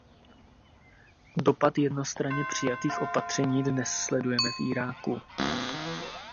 Dopad jednostranně přijatých opatření dnes sledujeme v Iráku.